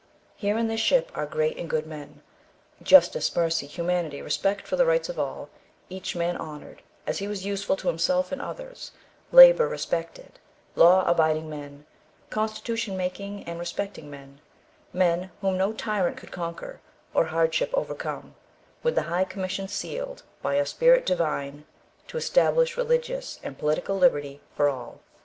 Here in this ship are great and good men. Justice, mercy, humanity, respect for the rights of all; each man honoured, as he was useful to himself and others; labour respected, law abiding men, constitution making and respecting men; men, whom no tyrant could conquer, or hardship overcome, with the high commission sealed by a Spirit divine, to establish religious and political liberty for all.